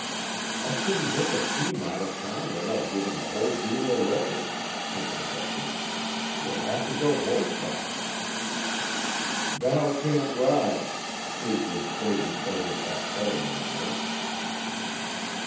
"I couldn't get the team out of town without giving the whole deal away," Kent objected. "You'll have to go horseback.". "Val can't ride," Fleetwood stated, as if that settled the matter.